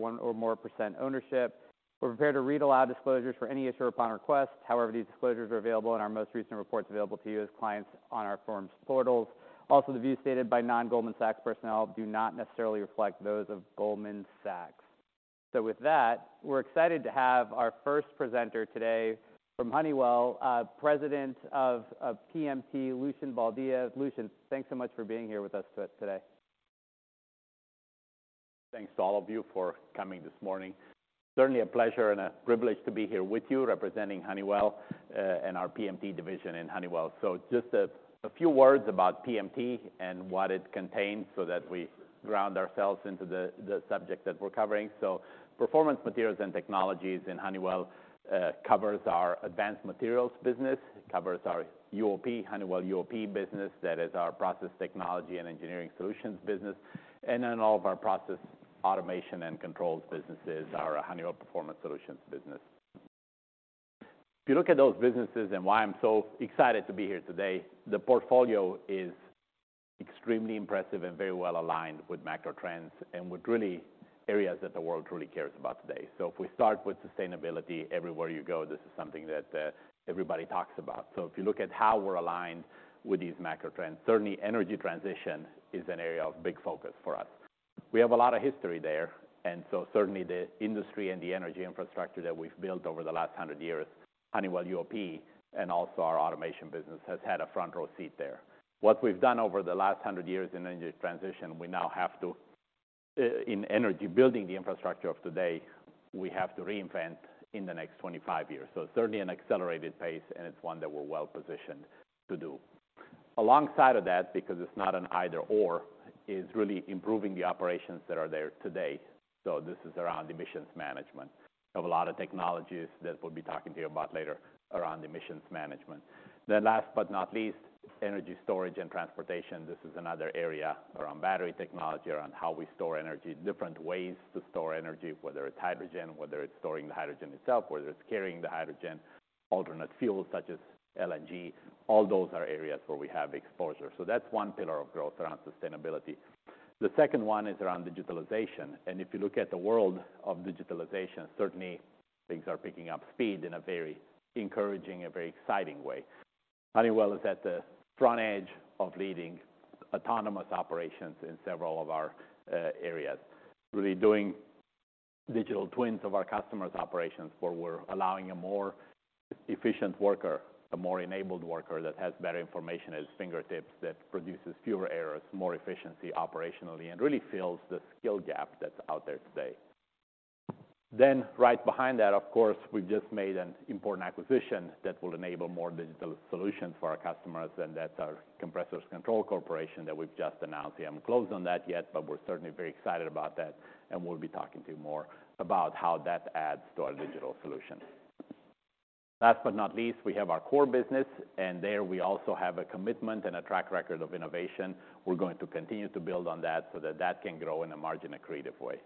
1% or more ownership. We're prepared to read aloud disclosures for any issuer upon request. These disclosures are available in our most recent reports available to you as clients on our firms' portals. The views stated by non-Goldman Sachs personnel do not necessarily reflect those of Goldman Sachs. With that, we're excited to have our first presenter today from Honeywell, President of PMT, Lucian Boldea. Lucian, thanks so much for being here with us today. Thanks to all of you for coming this morning. Certainly a pleasure and a privilege to be here with you representing Honeywell, and our PMT division in Honeywell. Just a few words about PMT and what it contains so that we ground ourselves into the subject that we're covering. Performance Materials & Technologies in Honeywell covers our Advanced Materials business. It covers our UOP, Honeywell UOP business, that is our process technology and engineering solutions business. All of our process automation and controls businesses, our Honeywell Process Solutions business. If you look at those businesses and why I'm so excited to be here today, the portfolio is extremely impressive and very well aligned with macro trends and with really areas that the world truly cares about today. If we start with sustainability, everywhere you go, this is something that everybody talks about. If you look at how we're aligned with these macro trends, certainly energy transition is an area of big focus for us. We have a lot of history there, certainly the industry and the energy infrastructure that we've built over the last 100 years, Honeywell UOP and also our automation business has had a front row seat there. What we've done over the last 100 years in energy transition, we now have to in energy, building the infrastructure of today, we have to reinvent in the next 25 years. Certainly an accelerated pace, and it's one that we're well-positioned to do. Alongside of that, because it's not an either/or, is really improving the operations that are there today. This is around emissions management. We have a lot of technologies that we'll be talking to you about later around emissions management. Last but not least, energy storage and transportation. This is another area around battery technology, around how we store energy, different ways to store energy, whether it's hydrogen, whether it's storing the hydrogen itself, whether it's carrying the hydrogen, alternate fuels such as LNG. All those are areas where we have exposure. That's one pillar of growth around sustainability. The second one is around digitalization, if you look at the world of digitalization, certainly things are picking up speed in a very encouraging, a very exciting way. Honeywell is at the front edge of leading autonomous operations in several of our areas. Really doing digital twins of our customers' operations, where we're allowing a more efficient worker, a more enabled worker that has better information at his fingertips, that produces fewer errors, more efficiency operationally, and really fills the skill gap that's out there today. Right behind that, of course, we've just made an important acquisition that will enable more digital solutions for our customers, and that's our Compressor Controls Corporation that we've just announced. We haven't closed on that yet, but we're certainly very excited about that, and we'll be talking to you more about how that adds to our digital solution. Last but not least, we have our core business, and there we also have a commitment and a track record of innovation. We're going to continue to build on that so that that can grow in a margin accretive way.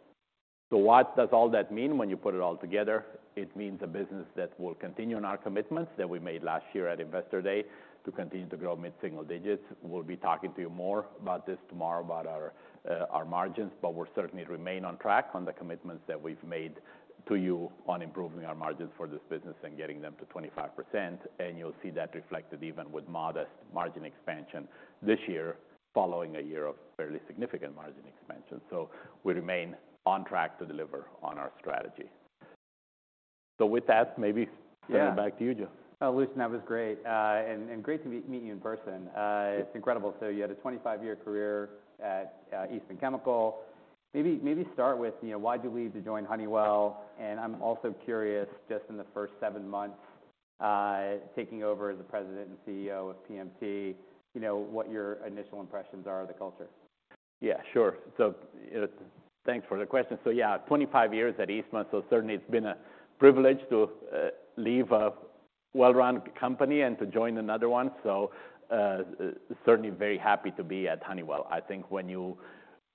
What does all that mean when you put it all together? It means a business that will continue on our commitments that we made last year at Investor Day to continue to grow mid-single digits. We'll be talking to you more about this tomorrow, about our margins, but we're certainly remain on track on the commitments that we've made to you on improving our margins for this business and getting them to 25%, and you'll see that reflected even with modest margin expansion this year, following a year of fairly significant margin expansion. We remain on track to deliver on our strategy. With that. Yeah. send it back to you, Joe. Oh, Lucian, that was great. And great to meet you in person. It's incredible. You had a 25-year career at Eastman Chemical. Maybe start with, you know, why'd you leave to join Honeywell? I'm also curious, just in the first seven months, taking over as the President and CEO of PMT, you know, what your initial impressions are of the culture? Yeah, sure. Thanks for the question. Yeah, 25 years at Eastman, so certainly it's been a privilege to leave a well-run company and to join another one. Certainly very happy to be at Honeywell. I think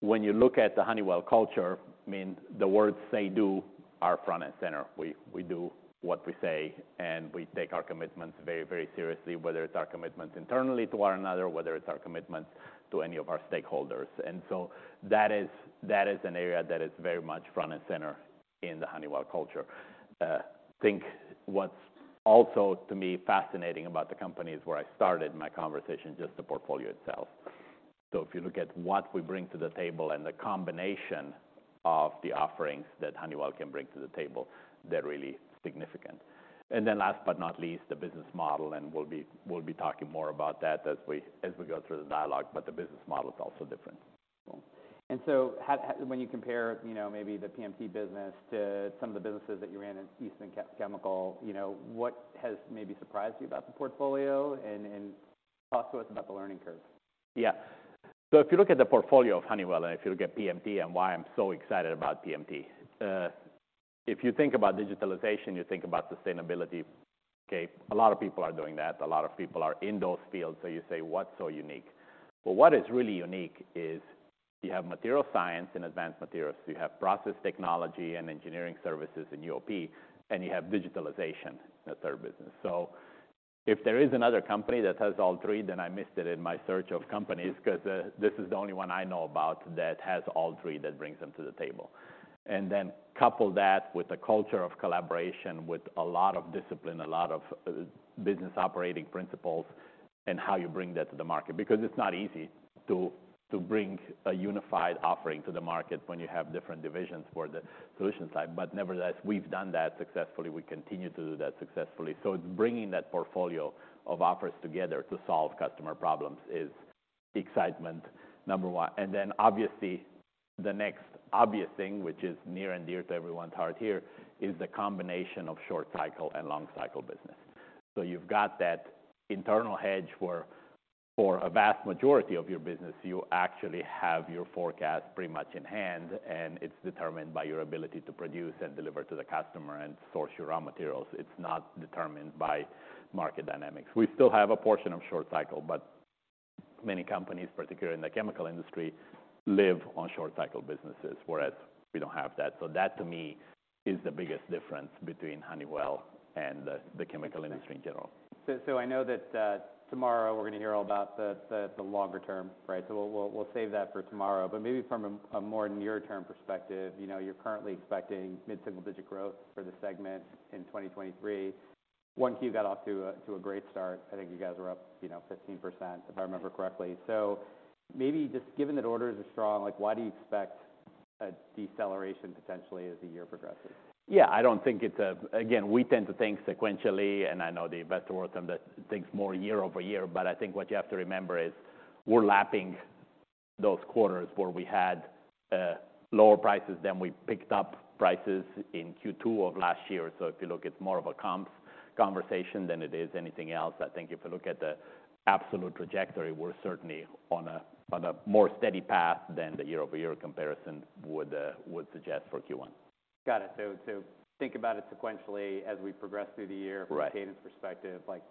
when you look at the Honeywell culture, I mean, the words say, do, are front and center. We do what we say, and we take our commitments very, very seriously, whether it's our commitment internally to one another, whether it's our commitment to any of our stakeholders. That is an area that is very much front and center in the Honeywell culture. Think what's also, to me, fascinating about the company is where I started my conversation, just the portfolio itself. If you look at what we bring to the table and the combination of the offerings that Honeywell can bring to the table, they're really significant. Last but not least, the business model, and we'll be talking more about that as we go through the dialogue, but the business model is also different. How when you compare, you know, maybe the PMT business to some of the businesses that you ran at Eastman Chemical, you know, what has maybe surprised you about the portfolio? Talk to us about the learning curve. Yeah. If you look at the portfolio of Honeywell, and if you look at PMT and why I'm so excited about PMT, if you think about digitalization, you think about sustainability, okay? A lot of people are doing that. A lot of people are in those fields, so you say, "What's so unique?" What is really unique is you have material science and advanced materials, you have process technology and engineering services in UOP, and you have digitalization, that third business. If there is another company that has all three, then I missed it in my search of companies, 'cause, this is the only one I know about that has all three that brings them to the table. Couple that with a culture of collaboration with a lot of discipline, a lot of business operating principles and how you bring that to the market. It's not easy to bring a unified offering to the market when you have different divisions for the solution side. Nevertheless, we've done that successfully. We continue to do that successfully. It's bringing that portfolio of offers together to solve customer problems is excitement number one. Obviously, the next obvious thing, which is near and dear to everyone's heart here, is the combination of short cycle and long cycle business. You've got that internal hedge where for a vast majority of your business, you actually have your forecast pretty much in hand, and it's determined by your ability to produce and deliver to the customer and source your raw materials. It's not determined by market dynamics. We still have a portion of short cycle, but many companies, particularly in the chemical industry, live on short cycle businesses, whereas we don't have that. That, to me, is the biggest difference between Honeywell and the chemical industry in general. I know that tomorrow we're gonna hear all about the longer term, right? We'll save that for tomorrow. Maybe from a more near-term perspective, you know, you're currently expecting mid-single digit growth for the segment in 2023. 1Q got off to a great start. I think you guys were up, you know, 15%, if I remember correctly. Maybe just given that orders are strong, like why do you expect a deceleration potentially as the year progresses? Yeah. I don't think it's a. Again, we tend to think sequentially, and I know the investor world tends to think more year-over-year, I think what you have to remember is we're lapping those quarters where we had lower prices than we picked up prices in Q2 of last year. If you look, it's more of a comp conversation than it is anything else. I think if you look at the absolute trajectory, we're certainly on a, on a more steady path than the year-over-year comparison would suggest for Q1. Got it. Think about it sequentially as we progress through the year. Right. From a cadence perspective, like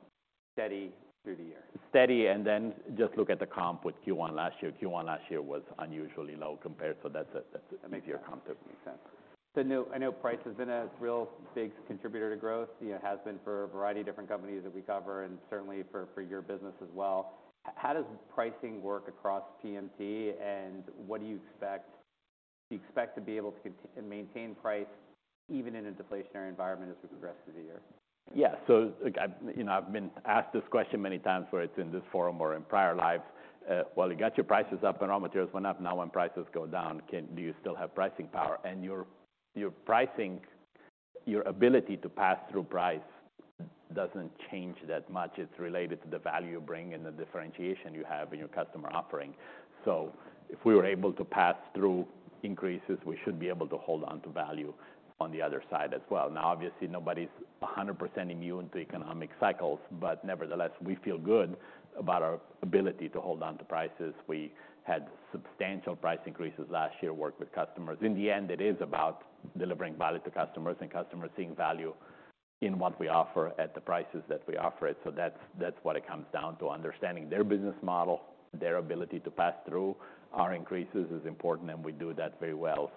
steady through the year. Steady, just look at the comp with Q1 last year. Q1 last year was unusually low compared, that makes your comp there make sense. I know price has been a real big contributor to growth. You know, it has been for a variety of different companies that we cover and certainly for your business as well. How does pricing work across PMT, and what do you expect? Do you expect to be able to maintain price even in a deflationary environment as we progress through the year? Again, you know, I've been asked this question many times, whether it's in this forum or in prior lives. Well, you got your prices up and raw materials went up. When prices go down, do you still have pricing power? Your, your pricing, your ability to pass through price doesn't change that much. It's related to the value you bring and the differentiation you have in your customer offering. If we were able to pass through increases, we should be able to hold on to value on the other side as well. Obviously, nobody's 100% immune to economic cycles, but nevertheless, we feel good about our ability to hold on to prices. We had substantial price increases last year, worked with customers. In the end, it is about delivering value to customers and customers seeing value in what we offer at the prices that we offer it. That's what it comes down to, understanding their business model, their ability to pass through our increases is important, and we do that very well.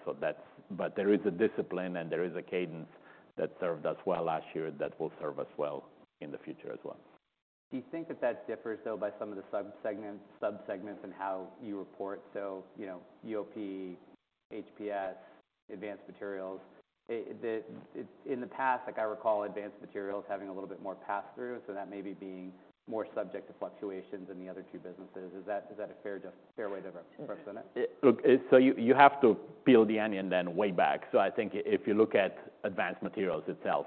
There is a discipline and there is a cadence that served us well last year that will serve us well in the future as well. Do you think that that differs though by some of the subsegments and how you report? You know, UOP, HPS, Advanced Materials. In the past, like I recall Advanced Materials having a little bit more pass-through, so that may be being more subject to fluctuations than the other two businesses. Is that a fair way to represent it? Look, you have to peel the onion way back. I think if you look at Advanced Materials itself,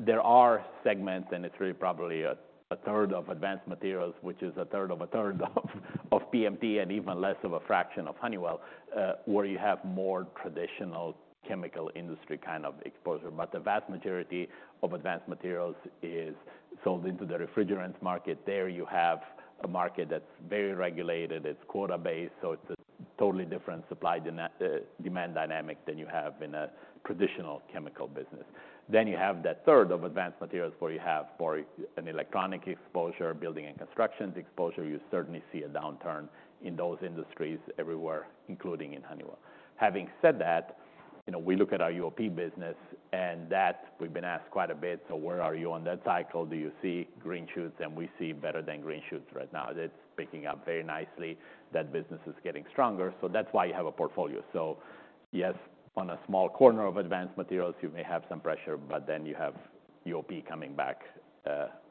there are segments, and it's really probably a third of Advanced Materials, which is a third of a third of PMT and even less of a fraction of Honeywell, where you have more traditional chemical industry kind of exposure. The vast majority of Advanced Materials is sold into the refrigerants market. There you have a market that's very regulated. It's quota-based, it's a totally different supply demand dynamic than you have in a traditional chemical business. You have that third of Advanced Materials where you have more an electronic exposure, building and constructions exposure. You certainly see a downturn in those industries everywhere, including in Honeywell. Having said that, you know, we look at our UOP business and that we've been asked quite a bit, "So where are you on that cycle? Do you see green shoots?" We see better than green shoots right now. It's picking up very nicely. That business is getting stronger. That's why you have a portfolio. Yes, on a small corner of Advanced Materials, you may have some pressure, but then you have UOP coming back,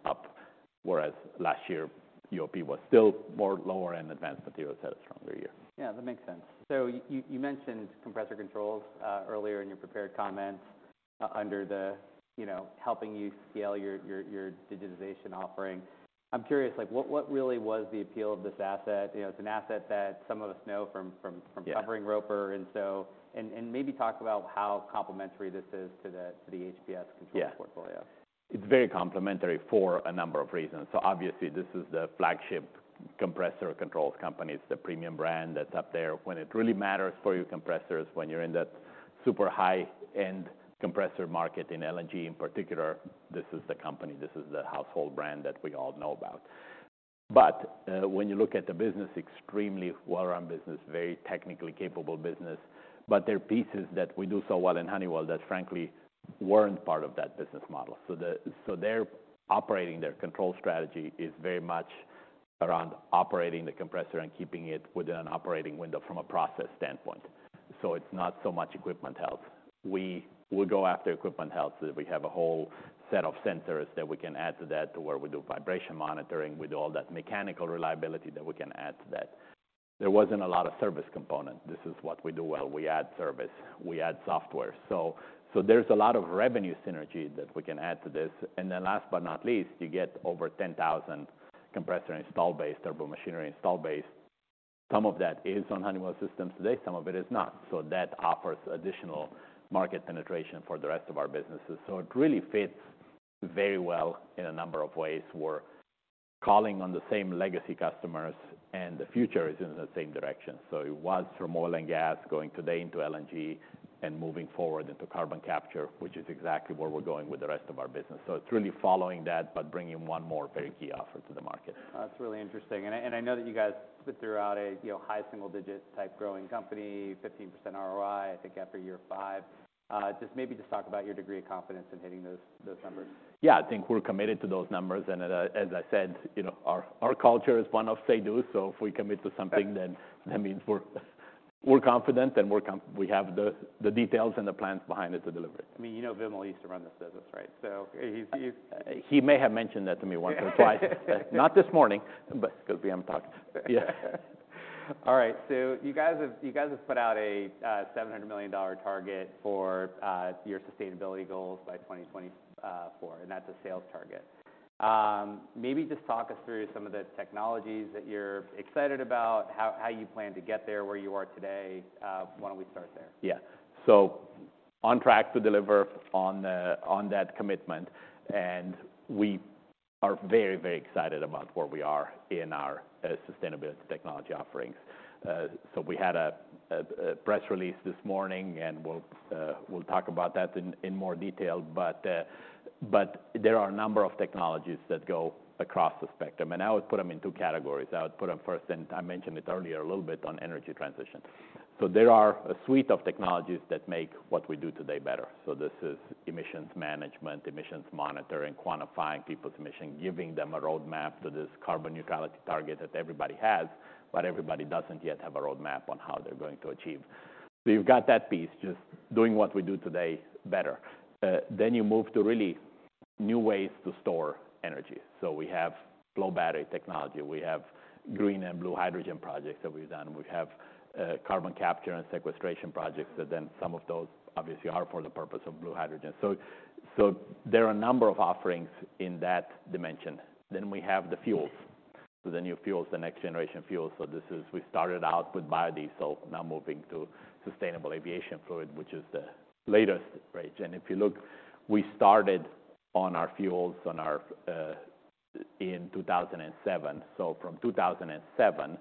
up, whereas last year UOP was still more lower and Advanced Materials had a stronger year. Yeah, that makes sense. You mentioned Compressor Controls earlier in your prepared comments under the, you know, helping you scale your digitization offering. I'm curious, like what really was the appeal of this asset? You know, it's an asset that some of us know from Yeah. -covering Roper and so... maybe talk about how complementary this is to the HPS controls portfolio. Yeah. It's very complementary for a number of reasons. Obviously this is the flagship compressor controls company. It's the premium brand that's up there. When it really matters for your compressors, when you're in that super high-end compressor market, in LNG in particular, this is the company. This is the household brand that we all know about. When you look at the business, extremely well-run business, very technically capable business. There are pieces that we do so well in Honeywell that frankly weren't part of that business model. Their operating, their control strategy is very much around operating the compressor and keeping it within an operating window from a process standpoint. It's not so much equipment health. We will go after equipment health. We have a whole set of sensors that we can add to that, to where we do vibration monitoring. We do all that mechanical reliability that we can add to that. There wasn't a lot of service component. This is what we do well. We add service, we add software. There's a lot of revenue synergy that we can add to this. Last but not least, you get over 10,000 compressor install base, turbomachinery install base. Some of that is on Honeywell systems today, some of it is not. That offers additional market penetration for the rest of our businesses. It really fits very well in a number of ways. We're calling on the same legacy customers, and the future is in the same direction. It was from oil and gas going today into LNG and moving forward into carbon capture, which is exactly where we're going with the rest of our business. It's really following that, but bringing one more very key offer to the market. That's really interesting. I know that you guys put throughout a, you know, high single digit type growing company, 15% ROI, I think after year five. Just maybe just talk about your degree of confidence in hitting those numbers. Yeah. I think we're committed to those numbers. As I said, you know, our culture is one of say do. If we commit to something, that means we're confident and we have the details and the plans behind it to deliver it. I mean, you know Vimal used to run this business, right? He's He may have mentioned that to me once or twice. Not this morning, but it's because we haven't talked. Yeah. All right. You guys have put out a $700 million target for your sustainability goals by 2024, and that's a sales target. Maybe just talk us through some of the technologies that you're excited about, how you plan to get there, where you are today. Why don't we start there? Yeah. On track to deliver on that commitment, and we are very, very excited about where we are in our sustainability technology offerings. We had a press release this morning, and we'll talk about that in more detail. There are a number of technologies that go across the spectrum, and I would put them in two categories. I would put them first, and I mentioned it earlier a little bit on energy transition. There are a suite of technologies that make what we do today better. This is emissions management, emissions monitoring, quantifying people's emission, giving them a roadmap to this carbon neutrality target that everybody has, but everybody doesn't yet have a roadmap on how they're going to achieve. You've got that piece, just doing what we do today better. You move to really new ways to store energy. We have flow battery technology. We have green and blue hydrogen projects that we've done. We have carbon capture and sequestration projects that some of those obviously are for the purpose of blue hydrogen. There are a number of offerings in that dimension. We have the fuels. The new fuels, the next generation fuels. This is, we started out with biodiesel, now moving to sustainable aviation fuel, which is the latest range. If you look, we started on our fuels on our in 2007. From 2007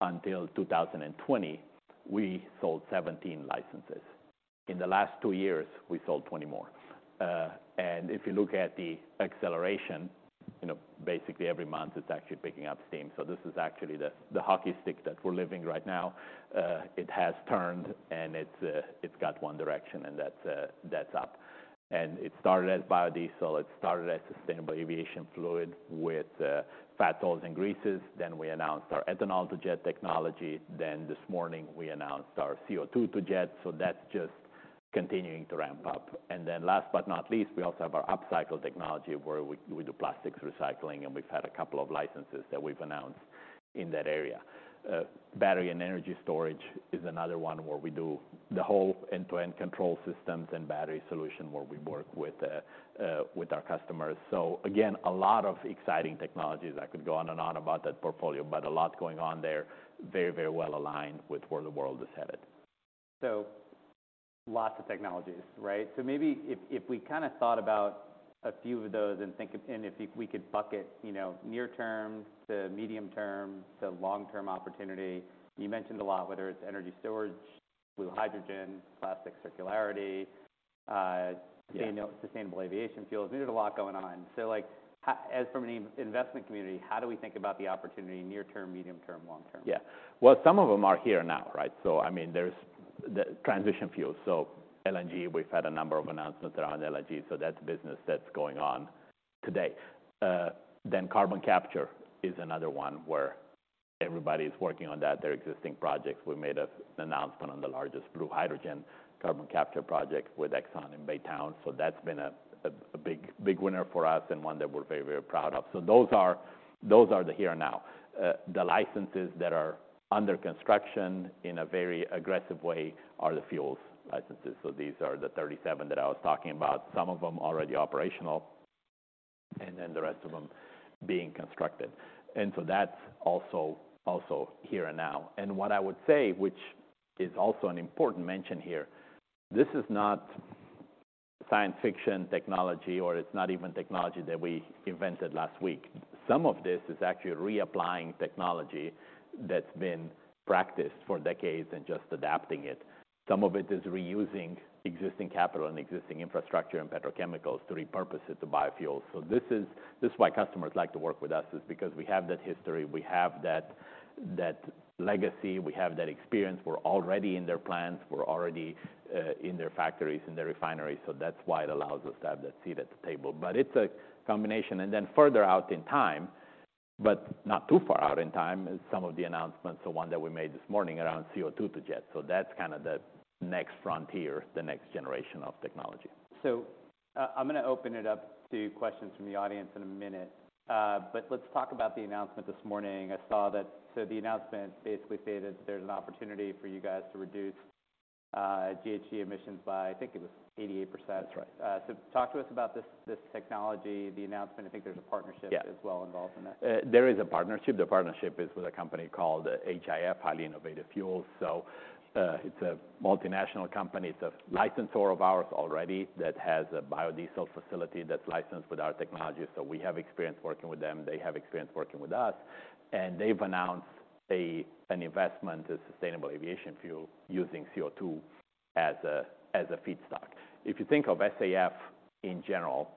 until 2020, we sold 17 licenses. In the last 2 years, we sold 20 more. If you look at the acceleration, you know, basically every month it's actually picking up steam. This is actually the hockey stick that we're living right now. It has turned, and it's got one direction, and that's up. It started as biodiesel. It started as sustainable aviation fuel with fat oils and greases. We announced our ethanol to jet technology. This morning we announced our CO2 to jet. That's just continuing to ramp up. Last but not least, we also have our upcycle technology where we do plastics recycling, and we've had a couple of licenses that we've announced in that area. Battery and energy storage is another one where we do the whole end-to-end control systems and battery solution where we work with our customers. Again, a lot of exciting technologies. I could go on and on about that portfolio, but a lot going on there. Very, very well aligned with where the world is headed. Lots of technologies, right? Maybe if we kind of thought about a few of those and if we could bucket, you know, near term to medium term to long-term opportunity. You mentioned a lot, whether it's energy storage, blue hydrogen, plastic circularity. Yeah. Sustainable aviation fuels. I mean, there's a lot going on. Like, as from an investment community, how do we think about the opportunity near term, medium term, long term? Yeah. Well, some of them are here now, right? I mean, there's the transition fuels. LNG, we've had a number of announcements around LNG, that's business that's going on today. Then carbon capture is another one where everybody is working on that, their existing projects. We made an announcement on the largest blue hydrogen carbon capture project with ExxonMobil in Baytown. That's been a big winner for us and one that we're very, very proud of. Those are, those are the here and now. The licenses that are under construction in a very aggressive way are the fuels licenses. These are the 37 that I was talking about, some of them already operational, and then the rest of them being constructed. That's also here and now. What I would say, which is also an important mention here, this is not science fiction technology or it's not even technology that we invented last week. Some of this is actually reapplying technology that's been practiced for decades and just adapting it. Some of it is reusing existing capital and existing infrastructure and petrochemicals to repurpose it to biofuels. This is why customers like to work with us, is because we have that history, we have that legacy, we have that experience. We're already in their plants, we're already in their factories, in their refineries, so that's why it allows us to have that seat at the table. It's a combination. Then further out in time, but not too far out in time, is some of the announcements, the one that we made this morning around CO2 to jet. That's kinda the next frontier, the next generation of technology. I'm gonna open it up to questions from the audience in a minute. Let's talk about the announcement this morning. The announcement basically stated there's an opportunity for you guys to reduce GHG emissions by, I think it was 88%. That's right. Talk to us about this technology, the announcement. I think there's a partnership. Yeah ...as well involved in that. There is a partnership. The partnership is with a company called HIF, Highly Innovative Fuels. It's a multinational company. It's a licensor of ours already that has a biodiesel facility that's licensed with our technology, so we have experience working with them, they have experience working with us. They've announced an investment in sustainable aviation fuel using CO2 as a feedstock. If you think of SAF in general.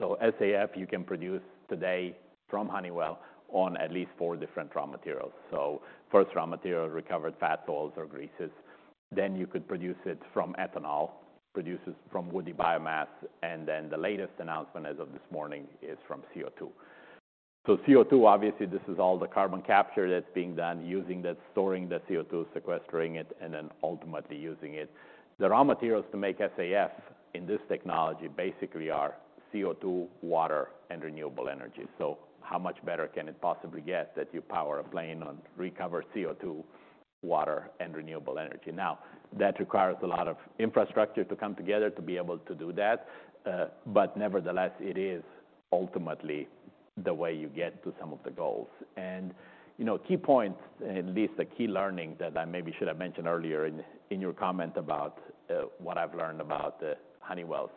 SAF you can produce today from Honeywell on at least four different raw materials. First raw material, recovered fat oils or greases. You could produce it from ethanol, produce it from woody biomass, and then the latest announcement as of this morning is from CO2. CO2, obviously this is all the carbon capture that's being done using that, storing the CO2, sequestering it, and then ultimately using it. The raw materials to make SAF in this technology basically are CO2, water, and renewable energy. How much better can it possibly get that you power a plane on recovered CO2, water, and renewable energy? That requires a lot of infrastructure to come together to be able to do that, but nevertheless, it is ultimately the way you get to some of the goals. You know, key points, at least a key learning that I maybe should have mentioned earlier in your comment about what I've learned about Honeywell.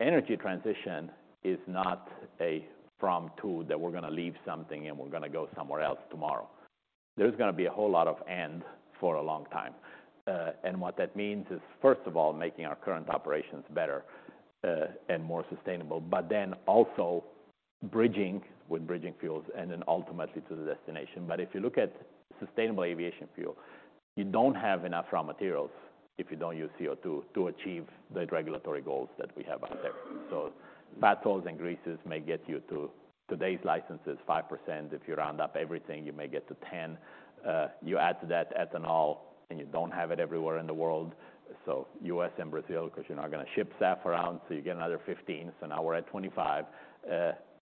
Energy transition is not a from-to, that we're gonna leave something and we're gonna go somewhere else tomorrow. There's gonna be a whole lot of and for a long time. What that means is, first of all, making our current operations better, and more sustainable, but then also bridging with bridging fuels and then ultimately to the destination. If you look at sustainable aviation fuel, you don't have enough raw materials if you don't use CO2 to achieve the regulatory goals that we have out there. Fat oils and greases may get you to today's license is 5%. If you round up everything, you may get to 10. You add to that ethanol, and you don't have it everywhere in the world, so U.S. and Brazil, 'cause you're not gonna ship SAF around, so you get another 15, so now we're at 25.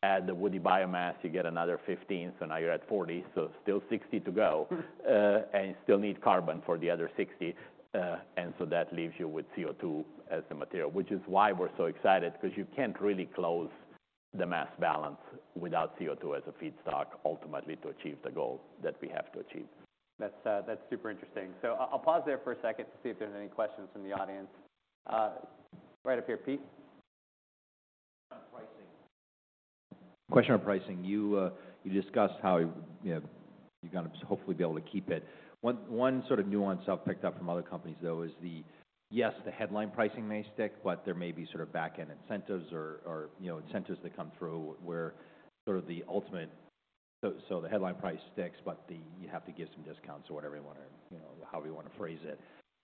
Add the woody biomass, you get another 15, so now you're at 40, so still 60 to go. You still need carbon for the other 60, and so that leaves you with CO2 as the material, which is why we're so excited, because you can't really close the mass balance without CO2 as a feedstock ultimately to achieve the goal that we have to achieve. That's super interesting. I'll pause there for a second to see if there's any questions from the audience. Right up here. Pete? On pricing. Question on pricing. You discussed how, you know, you're gonna hopefully be able to keep it. One sort of nuance I've picked up from other companies, though, is the, yes, the headline pricing may stick, but there may be sort of backend incentives or, you know, incentives that come through. The headline price sticks, but you have to give some discounts or whatever you wanna, you know, however you wanna phrase it.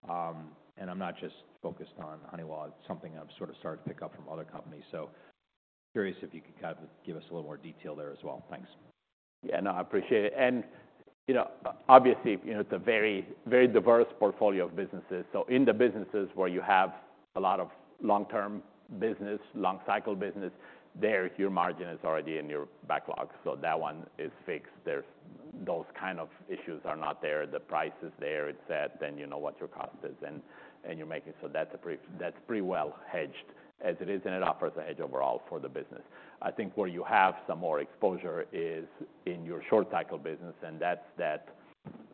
I'm not just focused on Honeywell. It's something I've sort of started to pick up from other companies. Curious if you could kind of give us a little more detail there as well. Thanks. Yeah, no, I appreciate it. You know, obviously, you know, it's a very, very diverse portfolio of businesses. In the businesses where you have a lot of long-term business, long-cycle business, there your margin is already in your backlog, so that one is fixed. Those kind of issues are not there. The price is there, it's set, then you know what your cost is and you're making. So that's a pretty, that's pretty well hedged as it is, and it offers a hedge overall for the business. I think where you have some more exposure is in your short-cycle business, and that's that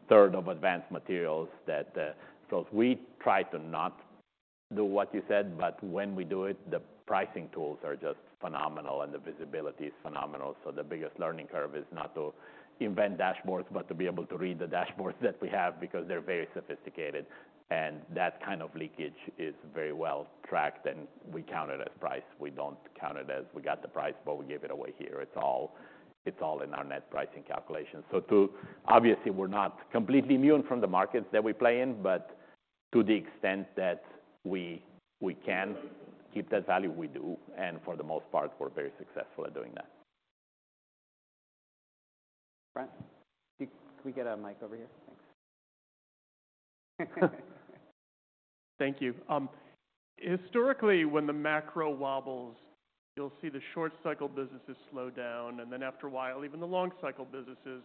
1/3 of Advanced Materials that... We try to not do what you said, but when we do it, the pricing tools are just phenomenal and the visibility is phenomenal. The biggest learning curve is not to invent dashboards, but to be able to read the dashboards that we have because they're very sophisticated. That kind of leakage is very well tracked and we count it as price. We don't count it as we got the price, but we gave it away here. It's all in our net pricing calculation. Obviously, we're not completely immune from the markets that we play in, but to the extent that we can keep that value, we do. For the most part, we're very successful at doing that. Can we get a mic over here? Thanks. Thank you. Historically, when the macro wobbles, you'll see the short cycle businesses slow down, after a while, even the long cycle businesses,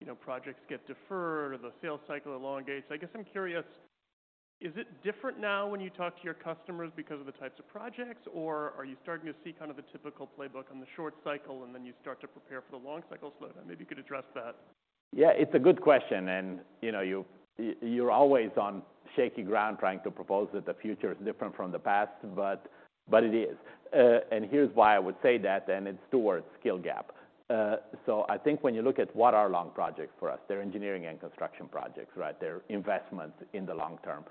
you know, projects get deferred or the sales cycle elongates. I guess I'm curious, is it different now when you talk to your customers because of the types of projects, or are you starting to see kind of a typical playbook on the short cycle and then you start to prepare for the long cycle slowdown? Maybe you could address that. Yeah, it's a good question, you know, you're always on shaky ground trying to propose that the future is different from the past, but it is. Here's why I would say that, and it's towards skill gap. I think when you look at what are long projects for us, they're engineering and construction projects, right? They're investments in the long term.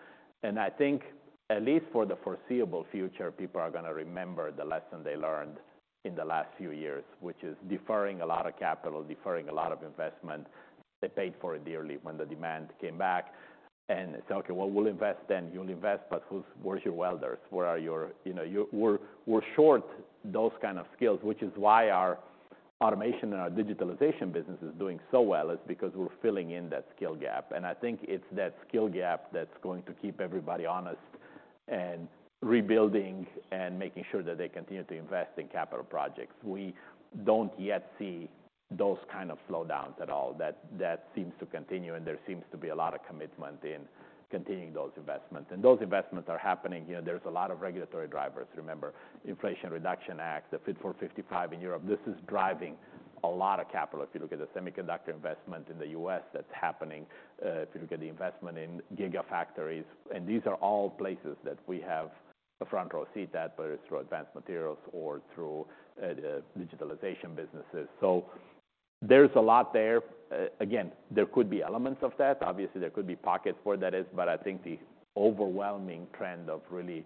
I think at least for the foreseeable future, people are gonna remember the lesson they learned in the last few years, which is deferring a lot of capital, deferring a lot of investment. They paid for it dearly when the demand came back and they said, "Okay, well, we'll invest then." You'll invest, but who's where's your welders? Where are your... You know, we're short those kind of skills, which is why our automation and our digitalization business is doing so well, is because we're filling in that skill gap. I think it's that skill gap that's going to keep everybody honest and rebuilding and making sure that they continue to invest in capital projects. We don't yet see those kind of slowdowns at all. That seems to continue and there seems to be a lot of commitment in continuing those investments. Those investments are happening. You know, there's a lot of regulatory drivers. Remember Inflation Reduction Act, the Fit for 55 in Europe, this is driving a lot of capital. If you look at the semiconductor investment in the U.S. that's happening, if you look at the investment in gigafactories, and these are all places that we have a front row seat at, whether it's through Advanced Materials or through digitalization businesses. There's a lot there. Again, there could be elements of that. Obviously, there could be pockets where that is, but I think the overwhelming trend of really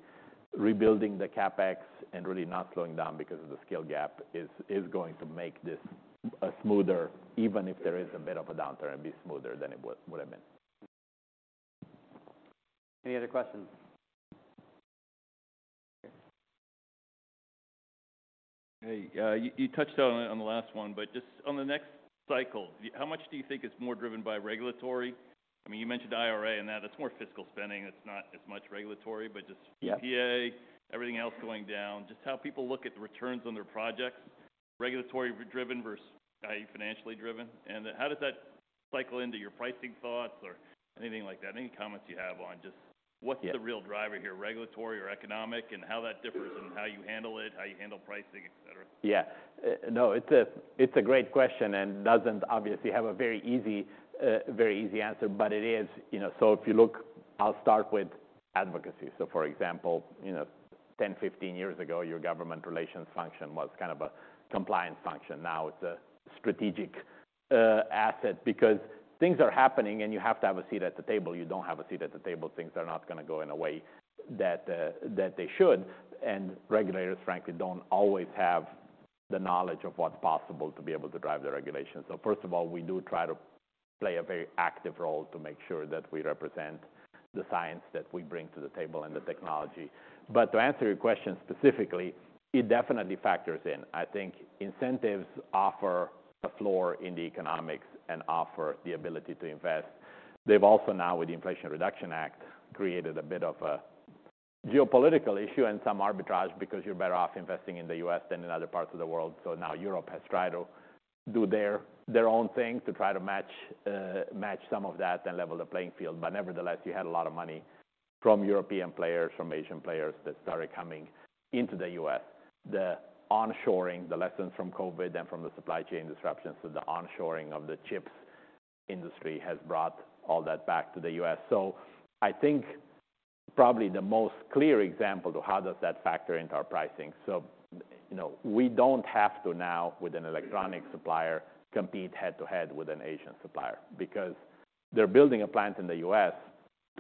rebuilding the CapEx and really not slowing down because of the skill gap is going to make this a smoother, even if there is a bit of a downturn, it'd be smoother than it would've been. Any other questions? Hey, you touched on it on the last one, but just on the next cycle, how much do you think is more driven by regulatory? I mean, you mentioned IRA and that it's more fiscal spending, it's not as much regulatory, but just. Yeah. EPA, everything else going down, just how people look at the returns on their projects, regulatory driven versus, i.e., financially driven. How does that cycle into your pricing thoughts or anything like that? Any comments you have on just what's-. Yeah. the real driver here, regulatory or economic, and how that differs in how you handle it, how you handle pricing, et cetera? Yeah. No, it's a great question, and it doesn't obviously have a very easy answer. It is. You know, if you look... I'll start with advocacy. For example, you know, 10, 15 years ago, your government relations function was kind of a compliance function. Now it's a strategic asset because things are happening and you have to have a seat at the table. You don't have a seat at the table, things are not gonna go in a way that they should. Regulators, frankly, don't always have the knowledge of what's possible to be able to drive the regulation. First of all, we do try to play a very active role to make sure that we represent the science that we bring to the table and the technology. To answer your question specifically, it definitely factors in. I think incentives offer a floor in the economics and offer the ability to invest. They've also now, with the Inflation Reduction Act, created a bit of a geopolitical issue and some arbitrage because you're better off investing in the U.S. than in other parts of the world. Now Europe has tried to do their own thing to try to match some of that and level the playing field. Nevertheless, you had a lot of money from European players, from Asian players that started coming into the U.S. The onshoring, the lessons from COVID and from the supply chain disruptions to the onshoring of the chips industry has brought all that back to the U.S. I think probably the most clear example to how does that factor into our pricing. You know, we don't have to now with an electronic supplier, compete head-to-head with an Asian supplier because they're building a plant in the U.S. to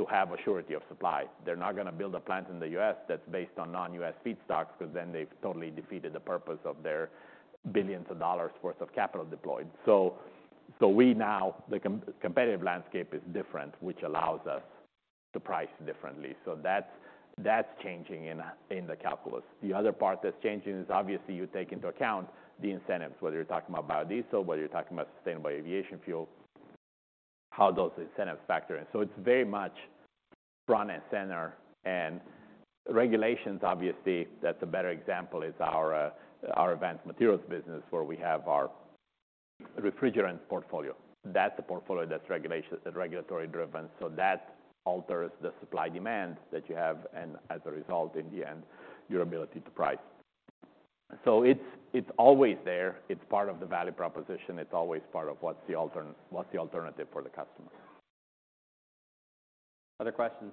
have a surety of supply. They're not gonna build a plant in the U.S. that's based on non-U.S. feedstocks because then they've totally defeated the purpose of their billions of dollars worth of capital deployed. We now the competitive landscape is different, which allows us to price differently. That's changing in the calculus. The other part that's changing is obviously you take into account the incentives, whether you're talking about biodiesel, whether you're talking about sustainable aviation fuel, how those incentives factor in. It's very much front and center. Regulations, obviously, that's a better example is our Advanced Materials business where we have our refrigerant portfolio. That's a portfolio that's regulatory driven. That alters the supply demand that you have and as a result, in the end, your ability to price. It's always there. It's part of the value proposition. It's always part of what's the alternative for the customer. Other questions?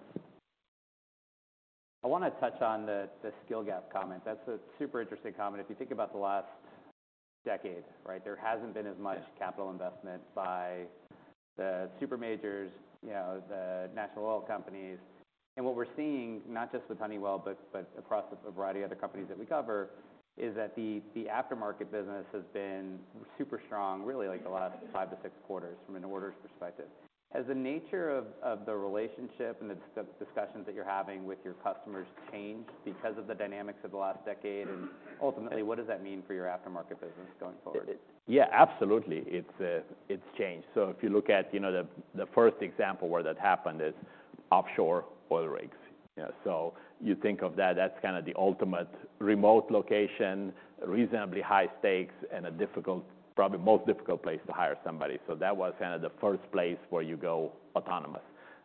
I wanna touch on the skill gap comment. That's a super interesting comment. If you think about the last decade, right? There hasn't been as much capital investment by the super majors, you know, the national oil companies. What we're seeing, not just with Honeywell, but across a variety of other companies that we cover, is that the aftermarket business has been super strong really like the last 5 to 6 quarters from an orders perspective. Has the nature of the relationship and the discussions that you're having with your customers changed because of the dynamics of the last decade? Ultimately, what does that mean for your aftermarket business going forward? Yeah, absolutely. It's changed. If you look at, you know, the first example where that happened is offshore oil rigs. You know, you think of that's kind of the ultimate remote location, reasonably high stakes, and a difficult, probably most difficult place to hire somebody. That was kind of the first place where you go autonomous.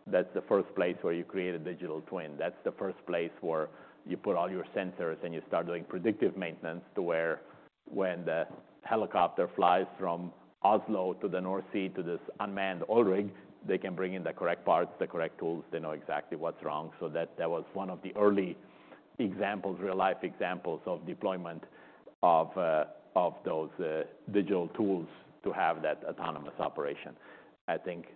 That's the first place where you create a digital twin. That's the first place where you put all your sensors and you start doing predictive maintenance. When the helicopter flies from Oslo to the North Sea to this unmanned oil rig, they can bring in the correct parts, the correct tools, they know exactly what's wrong. That was one of the early examples, real-life examples of deployment of those digital tools to have that autonomous operation. I think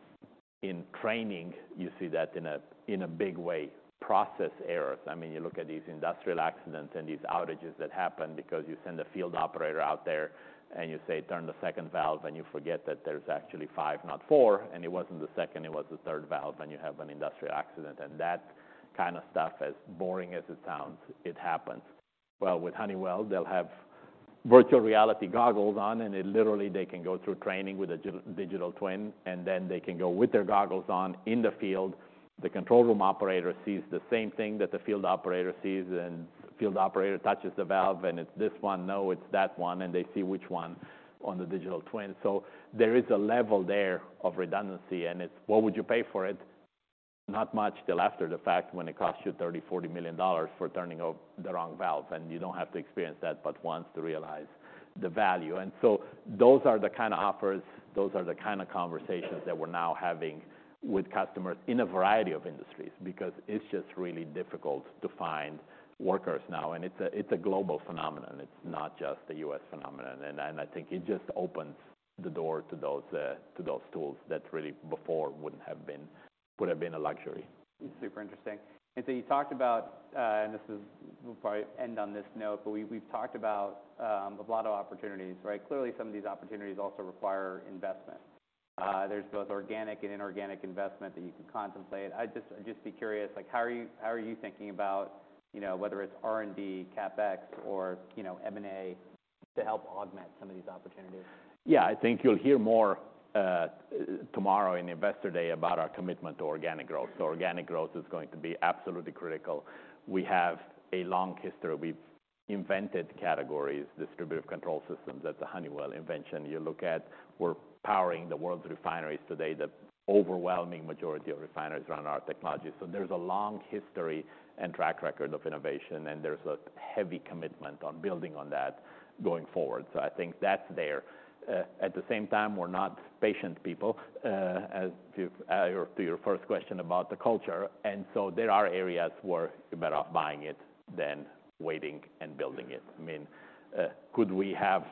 in training, you see that in a, in a big way, process errors. I mean, you look at these industrial accidents and these outages that happen because you send a field operator out there and you say, "Turn the second valve," and you forget that there's actually 5, not 4, and it wasn't the second, it was the third valve, and you have an industrial accident. And that kind of stuff, as boring as it sounds, it happens. Well, with Honeywell, they'll have virtual reality goggles on, and it literally they can go through training with a digital twin, and then they can go with their goggles on in the field. The control room operator sees the same thing that the field operator sees, and field operator touches the valve, and it's this one, no, it's that one, and they see which one on the digital twin. There is a level there of redundancy, and it's what would you pay for it? Not much till after the fact when it costs you $30 million, $40 million for turning the wrong valve. You don't have to experience that but once to realize the value. Those are the kinda offers, those are the kinda conversations that we're now having with customers in a variety of industries, because it's just really difficult to find workers now. It's a, it's a global phenomenon, it's not just a U.S. phenomenon. I think it just opens the door to those tools that really before would have been a luxury. Super interesting. You talked about, and we'll probably end on this note, but we've talked about a lot of opportunities, right? Clearly, some of these opportunities also require investment. There's both organic and inorganic investment that you can contemplate. I'd just be curious, like, how are you, how are you thinking about, you know, whether it's R&D, CapEx, or, you know, M&A to help augment some of these opportunities? Yeah. I think you'll hear more tomorrow in Investor Day about our commitment to organic growth. Organic growth is going to be absolutely critical. We have a long history. We've invented categories, distributed control systems. That's a Honeywell invention. You look at we're powering the world's refineries today. The overwhelming majority of refineries run on our technology. There's a long history and track record of innovation, and there's a heavy commitment on building on that going forward. I think that's there. At the same time, we're not patient people as to to your first question about the culture. There are areas where you're better off buying it than waiting and building it. I mean, could we have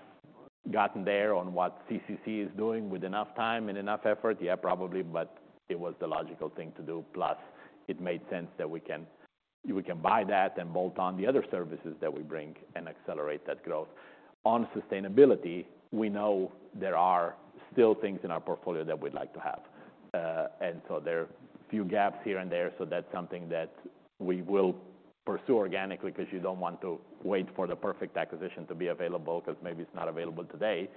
gotten there on what CCC is doing with enough time and enough effort? Yeah, probably. It was the logical thing to do, plus it made sense that we can buy that and bolt on the other services that we bring and accelerate that growth. On sustainability, we know there are still things in our portfolio that we'd like to have. There are few gaps here and there, so that's something that we will pursue organically 'cause you don't want to wait for the perfect acquisition to be available 'cause maybe it's not available today.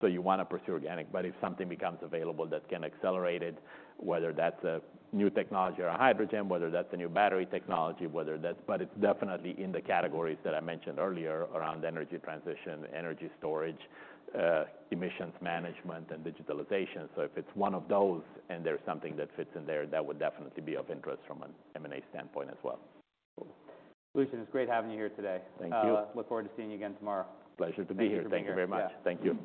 You wanna pursue organic. If something becomes available that can accelerate it, whether that's a new technology or a hydrogen, whether that's a new battery technology. It's definitely in the categories that I mentioned earlier around energy transition, energy storage, emissions management, and digitalization. If it's one of those and there's something that fits in there, that would definitely be of interest from an M&A standpoint as well. Lucian, it's great having you here today. Thank you. Look forward to seeing you again tomorrow. Pleasure to be here. Thank you very much. Yeah. Thank you.